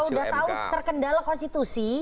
sudah tahu terkendala konstitusi